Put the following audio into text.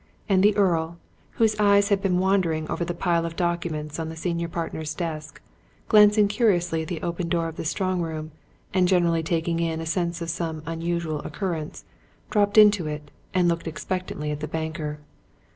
And the Earl, whose eyes had been wandering over the pile of documents on the senior partner's desk, glancing curiously at the open door of the strong room, and generally taking in a sense of some unusual occurrence, dropped into it and looked expectantly at the banker.